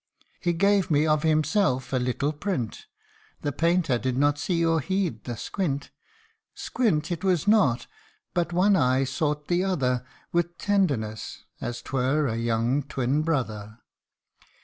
He gave me of himself a little print ; The painter did not see or heed the squint. Squint it was not but one eye sought the other With tenderness, as 'twere a young twin brother.